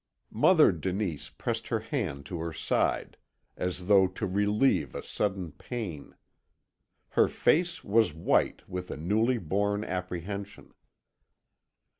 Mother Denise pressed her hand to her side, as though to relieve a sudden pain; her face was white with a newly born apprehension.